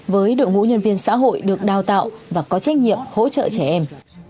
với đội ngũ nhân viên xã hội được đào tạo và có trách nhiệm hỗ trợ trẻ em